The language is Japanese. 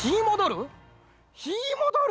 「ひーもどる」？